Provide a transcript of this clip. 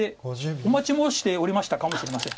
「お待ち申しておりました」かもしれません。